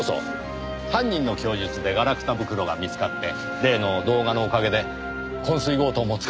犯人の供述でガラクタ袋が見つかって例の動画のおかげで昏睡強盗も捕まったそうですよ。